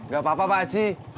gak apa apa pak aci